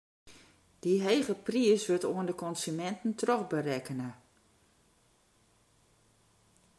Dy hege priis wurdt oan de konsuminten trochberekkene.